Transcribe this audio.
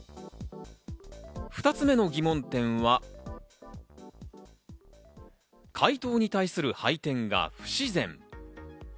２つ目の疑問点は回答に対する配点が不自然。